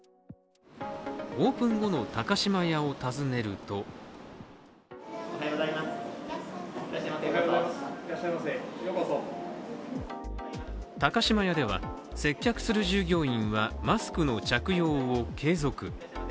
オープン後の高島屋を訪ねると高島屋では、接客する従業員はマスクの着用を継続。